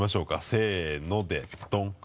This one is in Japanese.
せのでドン！